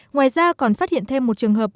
ngoài ra còn phát hiện thêm một trường hợp